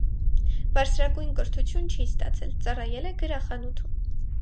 Բարձրագույն կրթություն չի ստացել, ծառայել է գրախանութում։